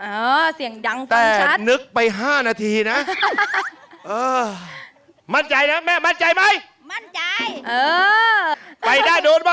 เอ่อเสียงดังฟังชัด